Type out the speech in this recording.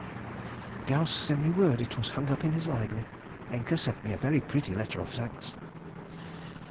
Gauss sent me word it was hung up in his library. Encke sent me a very pretty letter of thanks.